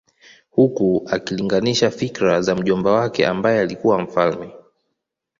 Huku akilinganisha fikra za mjomba wake ambaye alikuwa mfalme